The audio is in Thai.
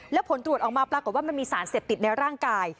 แล้วผลตรวจออกมาปรากฏว่ามันมีสารเสพติดในร่างกาย